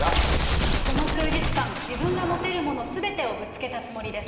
この数日間、自分が持てるものすべてをぶつけたつもりです。